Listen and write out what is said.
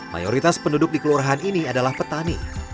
mayoritas penduduk di kelurahan ini adalah petani